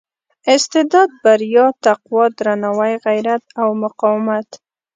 استعداد بریا تقوا درناوي غیرت او مقاومت.